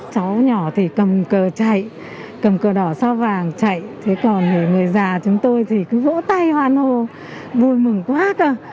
cháu nhỏ thì cầm cờ chạy cầm cờ đỏ sao vàng chạy thế còn người già chúng tôi thì cứ vỗ tay hoàn hồ vui mừng quá cơ